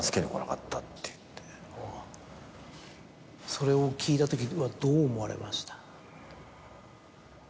それを聞いた時はどう思われました？